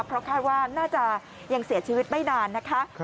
เพราะคาดว่าน่าจะยังเสียชีวิตไม่นานนะคะ